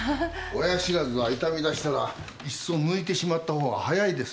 親知らずは痛みだしたらいっそ抜いてしまったほうが早いですよ。